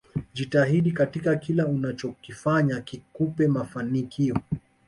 Jitahidi katika kila unachokifanya kikupe mafanikio